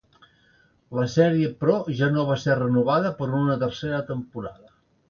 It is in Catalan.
La sèrie però ja no va ser renovada per a una tercera temporada.